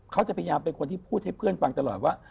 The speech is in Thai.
เขาจะพยายามเป็นคนที่พูดให้เพื่อนฟังตลอดว่า